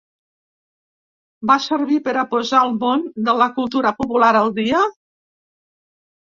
Va servir per a posar el món de la cultura popular al dia?